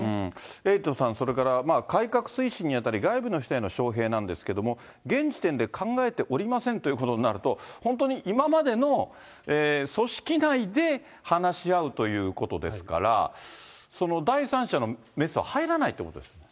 エイトさん、それから改革推進にあたり外部の人への招へいなんですけども、現時点で考えておりませんということになると、本当に今までの組織内で話し合うということですから、第三者のメスは入らないということですか。